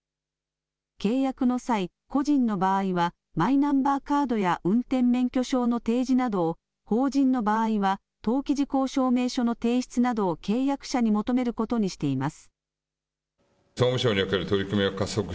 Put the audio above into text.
契約の際、個人の場合はマイナンバーカードや運転免許証の提示などを法人の場合は登記事項証明書の提出などを契約者に求めることにしています。